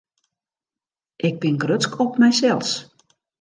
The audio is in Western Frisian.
Ik bin grutsk op mysels.